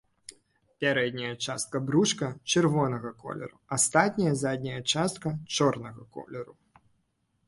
Пярэдняя частка брушка чырвонага колеру, астатняя задняя частка чорнага колеру.